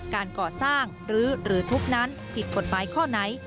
การก่อสร้างหรือทุกข์นั้นผิดกฎหมายข้อไหน